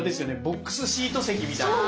ボックスシート席みたいな。